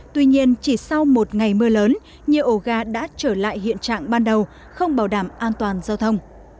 tuy nhiên chỉ sau một ngày mưa lớn nhiều ổ gà đã trở lại hiện trạng ban đầu không bảo đảm an toàn giao thông